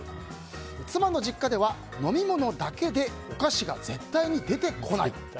妻の実家では飲み物だけでお菓子が絶対に出てこない。